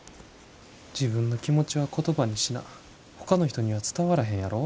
自分の気持ちは言葉にしなほかの人には伝わらへんやろ？